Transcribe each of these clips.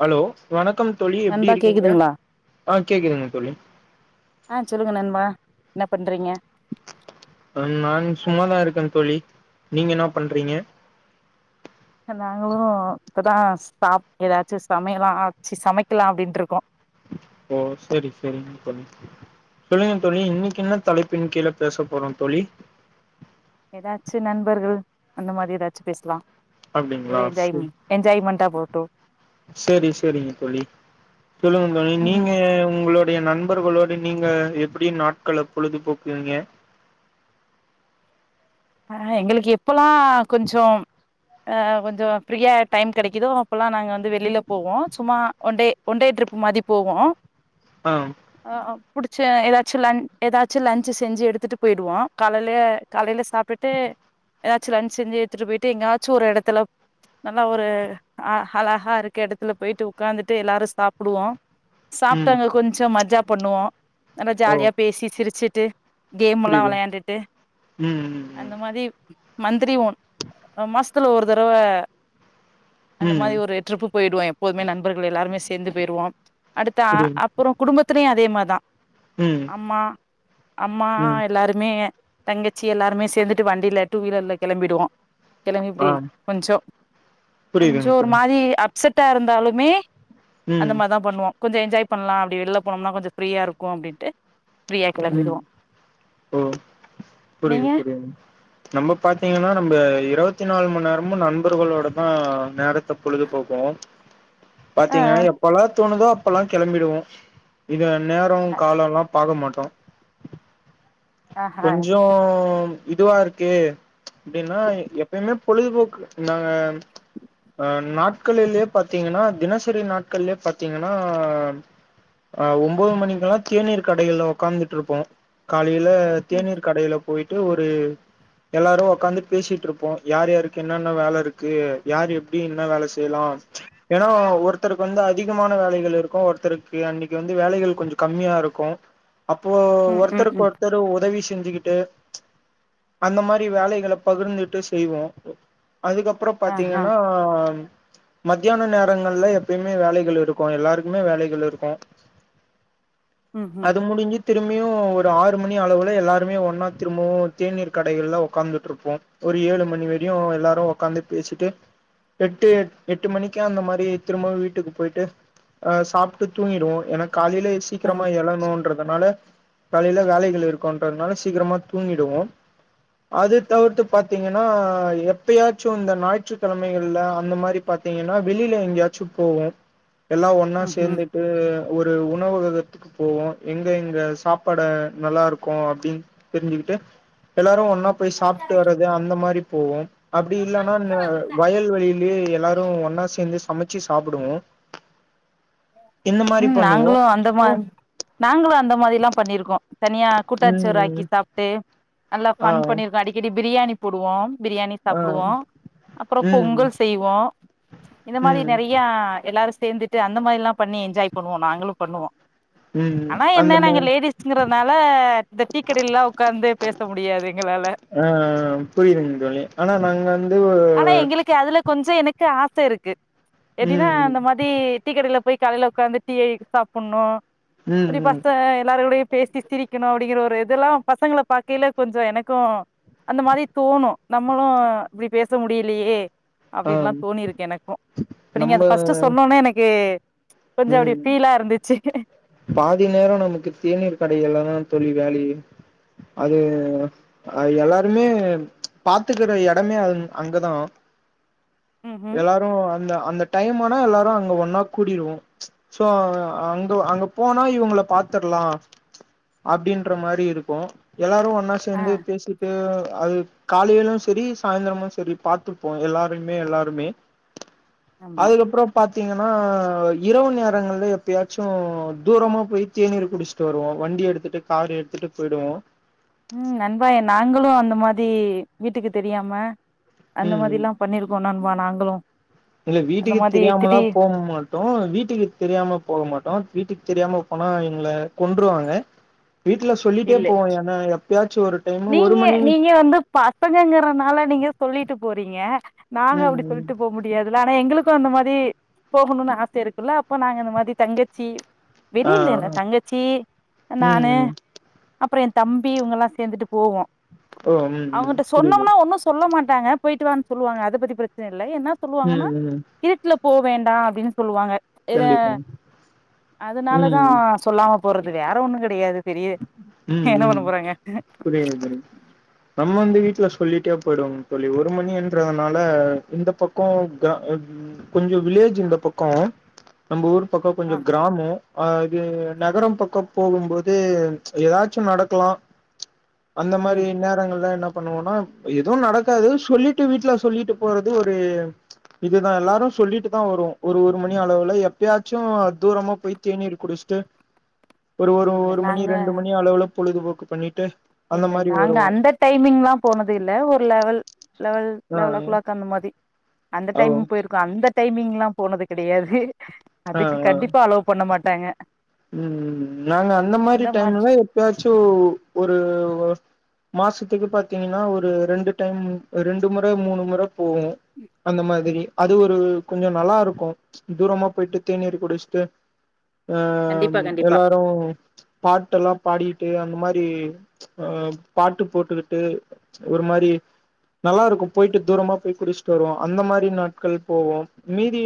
Hello வணக்கம் தோழி எப்டி நண்பா இருக்கீங்க கேக்குதுங்களா ஆஹ் கேக்குதுங்க தோழி ஆ சொல்லுங்க நண்பா என்ன பண்றீங்க நான் சும்மாதான் இருக்கேன் தோழி நீங்க என்ன பண்றீங்க நாங்களும் இதான் சா ஏதாச்சும் சமையலாம் ஆச்சு சமைக்கலாம் அப்படின்னு இருக்கோம் ஓ சரி சரி தோழி சொல்லுங்க தோழி இன்னைக்கு என்ன தலைப்பின் கீழே பேச போறோம் தோழி ஏதாச்சு நண்பர்கள் அந்த மாரி ஏதாச்சும் பேசலாம் அப்டிங்களா போட்டு செரி செரிங்க தோழி சொல்லுங்க ம் நீங்க உங்களோ என் நண்பர்களோடு நீங்க எப்டி நாட்கள் பொழுதுபோக்குவீங்க ஆ ஆ எங்களுக்கு எப்போ ல்லா கொஞ்சம் ஆ கொஞ்சோ ஃப்ரீயா டைம் கெடைக்குதோ அப்பல்லா நாங்க வந்து வெளில போவோ சும்மா ஒன்டே ஒன்டே ட்ரிப் மாரி போவோ ஆ ஆ ஆ புடிச்ச ஏதாச்சு லன் ஏதாச்சு லன்ச்சு செஞ்சு எடுத்துட்டு போயிடுவோ. காலைலயே காலைல சாப்ட்டுட் டு ஏதாச்சு லன்ச் செஞ்சு எடுத்துட்டு போயிட்டு எங்கயாச்சு ஒரு எடத்துல நல்லா ஒரு அ அழகா இருக்க எடத்துல போயிட்டு உக்காந்துட்டு எல்லாரு சாப்புடுவோ. சாப்ட்டு ம் அங்க கொஞ்சோ மஜாப் பண்ணுவோ நல்லா ஓ ஜாலியா பேசி சிரிச்சு ட்டு கேம் எல்லா புரியுது வெளையாண்டுட்டு ம் ம் அது மன்த்லி ஒன் அ மாசத்துல ஒரு தடவ ம் அந்த ம், மாரி ஒரு ட்ரிப்பு போயிருவோ எப்போதுமே நண்பர்கள் எல்லாருமே சேந்து போயிருவோ அடுத்த ஆ புரியுது அப்புறோ குடும்பத்தலயு அ தே மாரிதா ம் அம்மா அம்மா ம் எல்லாருமே தங்கச்சி எல்லாருமே சேந்துட்டு வண்டில டூ வீலர்ல கெளம்பிடுவோ. கெளம்பி ஆ எப்டி கொஞ்சோ கொஞ்சோ புரியுதுங்க ஒரு புரியுது மாரி அ ப்செட்டா இருந்தாலுமே அந்த ம் மாரிதா பண்ணுவோ. கொஞ்ச என்ஜாய் பண்லா அப்டி வெளில போனோம்னா கொஞ்சோ ஃப்ரீய இருக்கு அப்டின்ட்டு ஃப்ரீயா ம் கெளம்பிடுவோ ஓ புரியுது நீங்க புரியுதுங் நம்ம பாத்தீங்கன்னா நம்ப இருவத்தி நாலு மணி நேரமு நண்பர்களோடதா நேர த்த பொழுது போக்குவே ஆ பாத்தீங்கன்னா எப்பெல்லா தோணுதோ அப் பல்லா கெளம்பிடுவோ இத நேரோ ஆ காலோ எல்லா பாக்க மாட் ஆஹா கொஞ்சோ இதுவா இருக்கு அப்டின்னா எ எப்பவுமே பொழுதுபோக்கு நாங்க ஆ நாட்கள்கள்லயே பாத்தீங்கன்னா தினசரி நாட்கள்லயே பாத்தீங்கன்னா ஆ ஒம்போது மணிக்கெல்லா தேநீர் கடைகள்ல ஒக்காந்து ட்ருப்போ கால் லைல ம் தேநீர் கடையில போயிட்டு ஒரு எல்லாரு ஒக்காந்து பேசிட்ருப்போ. யார் யாருக்கு என்னென்ன வேல இருக்கு யார் எப்டி என்ன வேல செய்யலா? ஏன்னா ஒருத்தருக்கு வந்து அதிகமான வேலைகள் இருக்கு ஒருத்தருக்கு அன்னைக்கி வந்து வேலைகள் கொஞ்சோ கம்மியா இருக்கு. அப்போ ம் ம் ஒருத்தருக்கு ம் ஒருத்தர் உதவி செஞ்சுக்கிட்டு அந்த மாரி வேலைகள பகிர்ந்துட்டு செய்வோ. அதுக்கப்பறோ ஆஹா பாத்தீங்கன்னா மத்யான நேரங்கள்ல எப்பயுமே வேலைகள் இருக்கு எல்லாருக்குமே வேலைகள் இருக்கு. ம் ம் அது முடிஞ்சு திரும்பியு ஒரு ஆறு மணி அளவுல எல்லாருமே ஒன்னா திரும்பவு தேநீர் கடைகள்ல உக்காந்துட்ருப்போ. ஒரு ஏழு மணி வரையு எல்லாரு உக்காந்து பேசிட்டு எட்டு எட்டு மணிக்கு அந்த மாரி திரும்பவு வீட்டுக்கு போயிட்டு ஆ சாப்ட்டு தூங்கிடுவோ ஏன்னா காலைல ம் சீக்கிரமா எழனுன்றதுனால காலையில வேலைகள் இருக்குன்றனால சீக்கிரமா தூங்கிடுவோ. அது தவிர்த்து பாத்தீங்கன்னா எப்பயாச்சு இந்த ஞாயிற்றுக்கிழமைகள்ல அந்த மாரி பாத்தீங்கன்னா வெளில எங்கயாச்சு போவோ. எல்லா ஒன்னா ம் ம் சேந்துட்டு ஒரு உ ணவகத்துக்கு போவோ எங்க எங்க சாப்பாடு நல்லா இருக்கு அப்டின்னு தெரிஞ்சுக்கிட்டு எல்லாரு ஒண் ணா போய் சாப்ட்டு வர்றது அந்த மாரி போவோ. அப்டி இல்லன்னா ந வயல்வெளியிலயே எல்லாரு ஒண்ணா சேந்து சம ச்சு சாப்புடுவோ. ம் நாங்களு அந்த ஓ மாரி நாங்களு அந்த மாரி எல்லா பண்ணிருக்கோ. தனியா கூட்டாஞ்சோறு ஆக்கி ம் சாப்ட்டு நல்லா ஆ ஃபன் பண்ணிருக்கோ. அடிக்கடி பிரியாணி போடுவோ பிரியாணி ஆ சாப்புடுவோ அப்புறோ ம் பொங்கல் செய்வோ இந்த மாரி ம் நெறையா எல்லாரு சேந்துட்டு அ ந்த மாரில்லா பண்ணி என்ஜாய் பண்ணுவோ நாங்களு பண்ணுவோ. ம் ஆனா என்ன அந்த நாங்க மாரி லேடிஸ்ங்கறனால இந்த டீக்கடைலல்லா உக்காந்து பேச முடியாது எங்களால. ஆ புரியுதுங்க தோழி ஆனா நாங்க வந்து ஆனா எங்களுக்கு அதுல கொஞ்சோ எனக் கு ஆச இருக்கு ம் எப்டினா அந்த மாதரி டீக்கடைல போய் கடைல உக்காந்து டீயை சாப்பட்ணு ம் அப்டியே ம் பசிச்சா எல்லாரு கூடயு பேசி சிரிக்கணு அப்டிங்கிற ஒரு இதெல்லா பசங்கள பாக்கையில கொஞ்சோ எனக்கு அந்த மாரி தோணு. நம்மளு இப்டி பே ச முடியலயே ஆ அப்டின்லா தோணிருக்கு எனக்கு. இப்ப நீங்க நம்ம அது ஃபர்ஸ்ட்டு சொன்னோன்னே எனக்கு கொஞ்சோ அப்டி ம் ஃபீலா இருந்துச்சு பாதி நேரோ நமக்கு தேநீர் கடைகள்லதா தொழிலாளி அது அது எல்லாருமே பாத்துக்கற எடமே அங் அங்கதா. ம் ம் எல்லாரு அந்த அந்த டைம் ஆனா எல்லாரு அங்க ஒன்னா கூடிருவோ. சோ அங்க அங்க போனா இவங்கள பாத்துரலா அப்டின்ற மாரி இருக்கு எல்லாரு ஒன்னா ஆ சேந்து பேசிட்டு அது காலையிலு சரி சாயந்திரமு சரி பாத்துப்போ எல்லாருமே எல்லாருமே ஆமா அதுக்கப்புறோ பாத் தீங்கன்னா இரவு நேரங்கள்ல எப்பயாச்சு தூரமா போய் தேநீர் குடிச்சுட்டு வருவோ வண்டி எடுத்துட்டு கார் எடுத்துட்டு போயிடுவோ. ம் நண்பா நாங்களு அந்த மாரி வீட்டுக்கு தெரியாம அந்த ம் மாரி ம் எல்லா பண்ணிருக்கோ நண்பா நாங்களு இல்ல அந்த வீட்டுக்கு மாதி தெரியாமல்லா திடீ போக மாட்டோ வீட்டுக்கு தெரியாம போக மாட்டோ வீட்டுக் கு தெரியாம போனா எங்கள கொண்ருவாங்க இல்ல ஒரு டைமு ஒரு நீங்க மணி நீங்க வந்து பசங்கங்கறனால நீங்க சொல்லிட்டு போறீங்க. நாங்க ம் அப்டி ம் சொல்ட்டு போக முடியாதுல? ஆனா எங்களுக்கு அந்த மாரி போகணுன்னு ஆச இருக்குல்ல அப்போ நாங்க அந்த மாரி தங்கச்சி ஆ வெளில இல்ல தங்கச்சி அ ம் நானு ம் அப்றோ என் தம்பி இவங்கல்லா சேந்துட்டு போவோ. ஓ ம் ம் அவங்கட்ட புரியுது சொன்னோம்னா ஒன்னு சொல்ல மாட் டாங்க போயிட்டு வான்னு சொல்லுவாங்க அத பத்தி பிரச்சன இல்ல என்ன சொல்லுவாங்கன்னா ம், ம். இருட்ல போவேண்டா அப்டின்னு சொல்லுவாங்க. இது கண்டிப்பா. அதனாலதா ம், சொல்லாம போறதுக்கு வேற ஒன்னுங் கெடையாது பெரி ம் ம் புரியுது புரியுது. நம்ம வந்து வீட் ல சொல்லிட்டே போயிடுவோங்க தோழி. ஒரு மணின்றதுனால இந்த பக்கோ க ம் கொஞ்சோ வில்லேஜ் இந்த பக்கோ நம்ப ஊரு பக்கோ ஆ கொஞ்சோ கிராமோ ஆ இது நகரம் பக்கோ போகும்போது ம் ஏதாச்சு நடக்கலா அந்த மாரி ம் நேரங்கள்ல என்னா பண்ணுவோன்னா எதுவு நடக்காது சொல்லிட்டு வீட்ல சொல்லிட்டு போறது ஒரு இதுதா எல்லாரு சொல்லிட்டுதா வருவோ ஒரு ஒரு மணி அளவுல எப்பயாச்சு தூரமா போய் தேநீர் குடிச்சுட்டு ஒரு ஒரு இல்ல ஒரு மணி நாங்க ரெண்டு மணி அளவுல பொழுதுபோக்கு பண்ணிட்டு அந்த இல்ல மாரி நாங்க வருவோ அந்த டைமிங்லா போனது இல்ல ஒரு லெவல் லெவல் ஆ லெவல் ஓ கிளாக் அந்த மாதிரி அந்த ஓ டைம் போயிருக்கோ அந்த டைமிங்லா போனது கெடையாது ஆ அதுக்கு ஆ கண்டிப்பா அளோ பண்ண மாட் டாங்க ம் நாங்க அந்த மாரி டைம்ல எப்பாச்சு ஒரு மாசத்துக்கு பாத்தீங்கன்னா ஒரு ரெண்டு டைம் ரெண்டு முற மூணு முற போவோ அந்த மாதிரி அது ஒரு கொஞ்ச நல்லா இருக்கு தூரமா போயிட்டு தேநீரு குடுச்சுட்டு அ கண்டிப்பா ம் கண்டிப்பா எல்லாரு பாட்டெல்லா பாடிட்டு அந்த மாரி அ பாட்டு போட்டுக்கிட்டு ஒரு மாரி நல்லா இருக்கு போயிட்டு தூரமா போய் குடுச்சுட்டு வருவோ அந்த மாரி நாட்கள் போவோ மீதி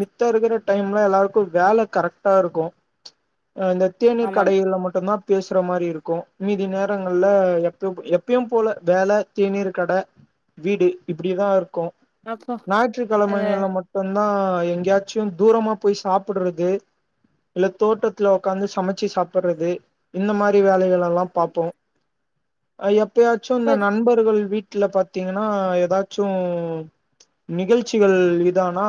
மித்த இருக்குற டைம்ல எல்லாருக்கு வேல கரெக்ட்டா இருக்கு அந்த தேநீர் ஆமாங்க கடையில மட்டுந்தா பேசுற மாரி இருக் கு மீதி நேரங்கள்ல எப்ப எப்பயும் போல வேல தேநீர் கட வீடு இப்புடியேதா இருக்கு அப்போ அது ஞாயிற்றுக்கெழமைகள்ல மட்டுந்தா எங்கேயாச்சும் தூரமா போய் சாப்புடுறது இல்ல தோட்டத்துல உக்காந்து சமச்சு சாப்புடுறது இந்த மாரி வேலைகள்ளா ல்லா பாப்போ ஐ எப் எப்பயாச்சு இப்ப இந்த நண்பர்கள் வீட் வீட்ல பாத்தீங்கன்னா ஏதாச்சு நிகழ்ச்சிகள் இதானா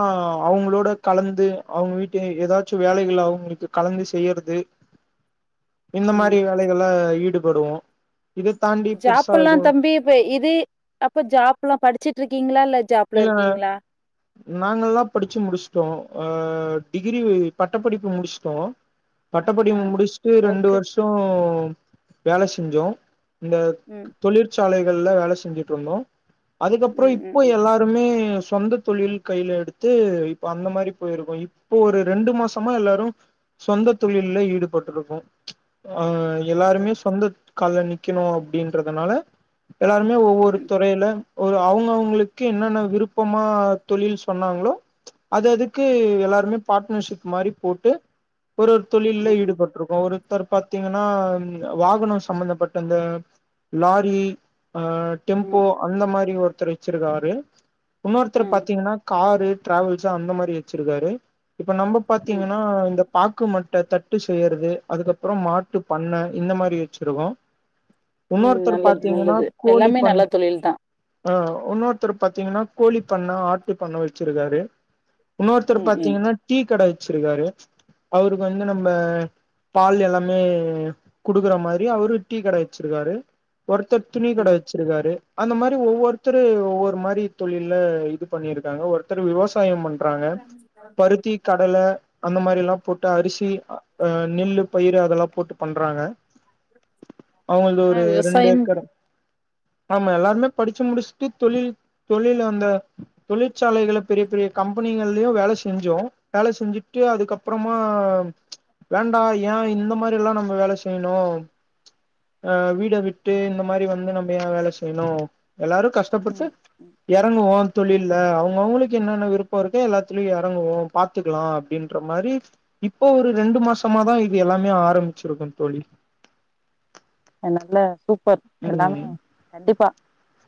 அவங்களோட கலந்து அவுங்க வீட்டு ஏதாச்சு வேலைகள் அவுங்களுக் கு கலந்து செய்யிறது இந்த ம் மாரி வேலைகள்ள ஈடு போடுவோ ஜாப்புலா தம்பி இப்ப இது அப்ப ஜாப் எல்லா படிச்சிட்டு இருக் கீங்ளா இல்ல ஜாப்ல இல்ல இருக்கீங்களா நாங்கெல்லா படிச்சு முடிச்சிட்டோ ஆ டிகிரி பட்டப்படிப்பு முடுச்சுட்டோ ஆ பட்டப்படிப்பு முடிச்சுட்டு ரெண்டு ஒர்க்கு வர்ஷோம் வேல செஞ்சோ இந்த ம் தொழிற்ச் சாலைகள்ல வேல செஞ்சுட்டு இருந்தோ அதுக்கப்பறோ ம் ம் இப்போ எல்லா இ சொந்த தொழில் கையில எடுத்து இப்ப அந்த மாரி போயிருக்கோ இப்போ ஒரு ரெண்டு மாசமா எல்லாரு சொந்த தொழில்ல ஈடுபட்டுருக்கோ அ ம் எல்லாருமே சொந்த கால்ல நிக்கணு அப்டின்றதுனால எல்லாருமே ஒவ்வொரு ம் துறையில ஒரு அவங்க அவங்களுக் கு என்னென்ன விருப்பமா தொழில் சொன்னாங்ளோ அது அதுக்கு எல்லாருமே பார்ட்னர்ஷிப் மாரி போட்டு ஒரு ஒரு தொழில்ல ம் ம் ஈடுபட்டுருக்கோ ஒரு ஒருத்தர் பாத்தீங்கன்னா வாகனோ சம்பந்தப்பட்ட அந்த லாரி ஆ ம் டெம்போ அந்த மாரி ஒர் ஒருத்தர் வெச்சிருக்கார் வே இன்னொருத்துரு ம் பாத்தீங்கன்னா காரு டிராவெல்சு அந்த மாரி வெச்சிருக்காரு இப்ப நம்ம ம் பாத்தீங்கன்னா இந்த பாக்கு மட் ட தட்டு செய்யறது அதுக்கப்புறம் மாட்டு பண்ண இந்த மாரி வெச்சிருக்கோ ம் நல்லது நல்லது எல்லாமே பண் நல்ல தொழில்தா ஆ உன்னோர் த்துரு பாத்தீங்கன்னா கோழி பண்ண ஆட்டு பண்ண வெச்சிருக்காரு இன்னொருத்தரு ம் ம் பாத்தீங்கன்னா டீ கட வெச்சிருக்காரு அவருக்கு வந்து நம்ம பால் எல்லாமே குடுக்குற மாரி அவரு டீ கட வெச்சிருக்காரு ஒருத்தர் துணி கட ம் வெச்சிருக்காரு அந்த மாரி ஒவ்வொருத்தரு ஒவ்வொர் மாரி தொழில்ல இது பண்ணியிருக்காங்க ஒருத்தர் விவஸ் விவசாயோ பண்றாங்க பருத்தி கடல அந்த மாரி எல்லாம் போட்டு அரிசி அ நெல்லு பயிரு அதல்லா போட்டு பண்றாங்க அவங்களுக்கு ஆனா ஒரு ரெண்டு விவசாயம் ஏக்கர் ஆமா எல்லாருமே படிச்சு முடுச்சுட்டு தொழில் தொழில்ல அந்த தொழிற்சாலைகள பெரிய பெரிய கம்பெனிகள்லியு வேல செஞ்சோ வேல செஞ்சுட்டு அதுக்கப்புறமா வேண்டா ஏ இந்த மாரி எல்லா நம்ம வேல செய்யிணு அ வீட விட்டு இந்த மாரி வந்து நம்ம ஏ வேல செய்யிணு எல்லாரு கஷ்டப்பட்டு ம் ம் எறங்குவோ தொழில்ல அவங்கவுங்களுக்கு என்னென்ன விருப்போ இருக்க எல்லாத்திலியு எறங்குவோ பாத்துக்கலா அப்டின்ற மாரி இப்போ ஒரு ரெண்டு மாசமாதா இது எல்லாமே ஆரம்பிச்சிருக்கோங் தோழி நல் நல்ல சூப் பர் எல்லாமே ம் கண்டிப்பா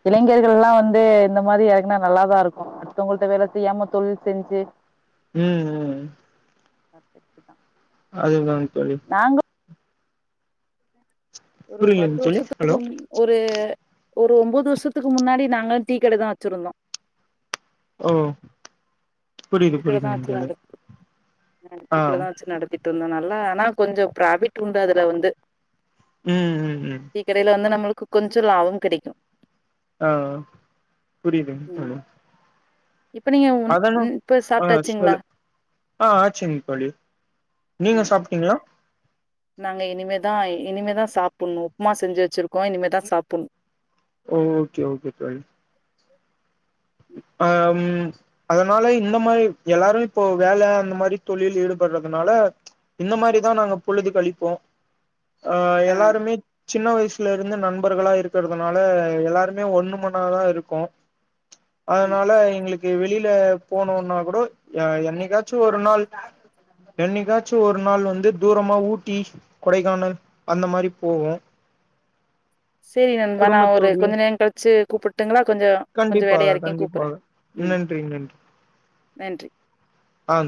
இளைஞர்கள் எல்லா வந்து இந்த மாரி றங்கனா நல்லாதா இருக்கு அடுத்தவங்கள்ட வேல செய்யாம தொழில் செஞ்சு ம் ம் ம் பர்பெக்ட்டுதா அதுதான் தோழி ஒரு புரியலங்க பத்து தோழி வருஷத்துக்கு ஹலோ முன் ஒரு ஒரு ஒன்போது வருஷத்துக்கு முன்னாடி நாங்க டீ கடதா வெச்சிருந்தோ ஓ புரியுது டீக்கடதா புரியுதுங்க வெச்சு தோழி நடத்தி ஆ டீக்கடதா வெச்சு நடத்தி ட்டுருந்த நல்லா ஆனா கொஞ்ச ஃப்ராபிட் உண்டு அதுல வந்து ம் ம் ம் கொஞ்ச லாபம் கெடைக்கும் ஆ புரியுதுங் ம் தோழி இப்ப நீங்க உன் அதனா ம் ஆ சாப்ட்டாச்சுங்களா சொல்லு ஆ ஆச்சுங் தோழி நீங்க ம் சாப்பிட்டீங்களா நாங்க இனிமேதா இனிமேதா சாப்புணு உப்புமா செஞ்சு வெச்சிருக்கோ இனிமேதா சாப்புணு ஓ ஓகே ஓகே தோழி [inaudible] ஆ ம் அதனால இந்த மாரி எல்லாரு இப்போ வேல அந்த மாரி தொழில்ல ஈடுபடுறதுனால இந்த மாரிதா நாங்க பொழுது களிப்போ ஆ எல்லாருமே சின்ன வயிஸ் வீட்டுல இருந்து நண்பர்களா இருக்குறதுனால எல்லாருமே ஒண்ணுமண்ணாதா இருக்கோ ம் அதனால எங்குளுக் கு வெளியில போனுன்னா கூட என்னைக்காது ச்சு ஒரு நாள் எண்ணிக்காச் சு ஒரு நாள் வந்து தூரமா ஊட்டி கொடைக்கானல் அந்த மாரி போவோ சேரி நண்பா நா ஒரு குடும்பத்தோடு கொஞ்ச நேரோ கழிச்சு கூப்புட்டுங்களா கொஞ்சோ கொஞ்ச வேலையா கண்டிப்பாக இருக்கே கூப்புற கண்டிப்பாக ம் நன்றி நன்றி நன்றி ஆ